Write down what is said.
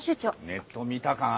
ネット見たか？